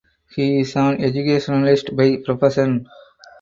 He is an educationalist by profession.